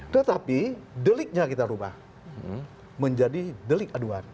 tetapi deliknya kita ubah menjadi delik aduan